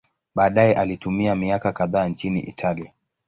Baadaye alitumia miaka kadhaa nchini Italia.